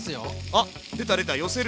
あっ出た出た寄せる。